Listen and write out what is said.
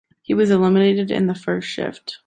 He was eliminated in the first shift.